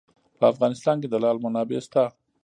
په افغانستان کې د لعل منابع شته.